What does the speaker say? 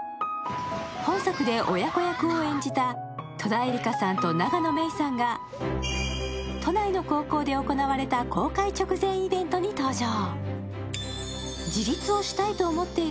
本作で親子役を演じた戸田恵梨香さんと永野芽郁さんが都内の高校で行われた公開直前イベントに登場。